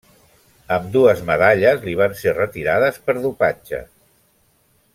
Ambdues medalles li van ser retirades per dopatge.